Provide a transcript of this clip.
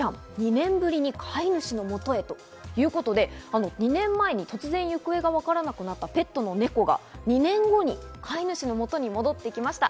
２年ぶりに飼い主の元へということで、２年前に突然行方がわからなくなったペットのネコが２年後に飼い主の元へ戻ってきました。